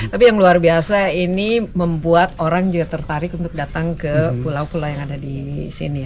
tapi yang luar biasa ini membuat orang juga tertarik untuk datang ke pulau pulau yang ada di sini